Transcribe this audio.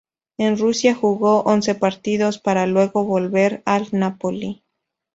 En Rusia jugó once partidos, para luego volver al Napoli.